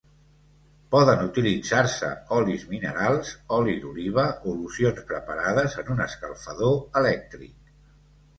Poden utilitzar-se olis minerals, oli d'oliva o locions preparades en un escalfador elèctric.